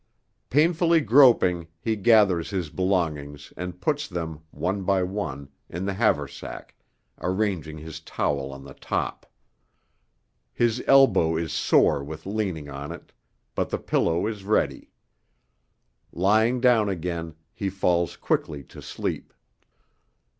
Painfully groping he gathers his belongings and puts them, one by one, in the haversack, arranging his towel on the top. His elbow is sore with leaning on it, but the pillow is ready. Lying down again he falls quickly to sleep.